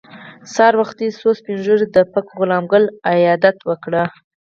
سهار وختي څو سپین ږیرو د پک غلام ګل عیادت وکړ.